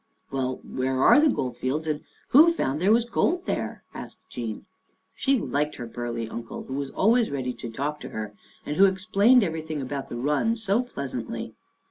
" Well, where are the Gold Fields and who found there was gold there? " asked Jean. She liked her burly uncle, who was always ready to 50 Our Little Australian Cousin talk to her and who explained everything about the run so pleasantly.